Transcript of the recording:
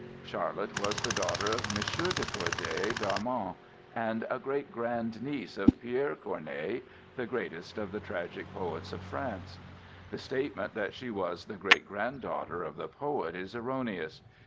Charlotte was the daughter of Monsieur de Corday d'Armans, and a great grandniece of Pierre Corneille, the greatest of the tragic poets of France. The statement that she was the great granddaughter of the poet is erroneous.